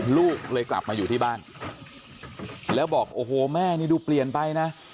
ลูกเลยกลับมาอยู่ที่บ้านแล้วบอกโอ้โหแม่นี่ดูเปลี่ยนไปนะ